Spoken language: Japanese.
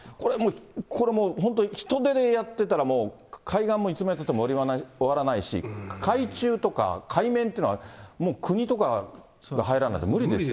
これ本当に人手でやってたらもう、海岸もいつまでたっても終わらないし、海中とか海面っていうのは、もう国とかが入らないと無理ですよ。